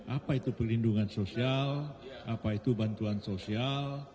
apa itu perlindungan sosial apa itu bantuan sosial